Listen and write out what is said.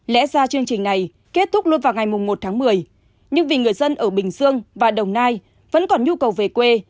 lẽ ra chương trình này kết thúc luôn vào ngày một tháng một mươi nhưng vì người dân ở bình dương và đồng nai vẫn còn nhu cầu về quê